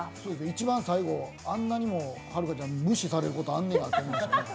いちばん最後あんなにもはるかちゃん無視されることあるんやと思いました。